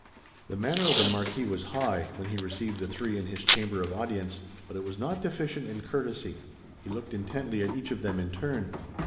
The manner of the Marquis was high, when he received the three in his chamber of audience, but it was not deficient in courtesy. He looked intently at each of them in turn.